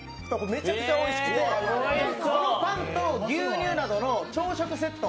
めちゃくちゃおいしくて、このパンと牛乳などの朝食セット